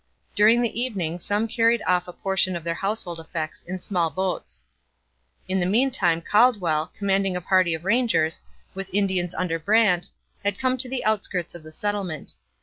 During the evening some carried off a portion of their household effects in small boats. In the meantime Caldwell, commanding a party of rangers, with Indians under Brant, had come to the outskirts of the settlement.